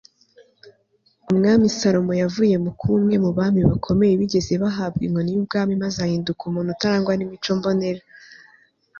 umwami salomo yavuye mu kuba umwe mu bami bakomeye bigeze bahabwa inkoni y'ubwami maze ahinduka umuntu utarangwa n'imico mbonera